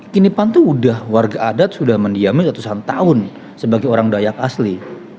kinipan tuh udah warga adat sudah mendiamin ratusan tahun sebagai orang dayak asli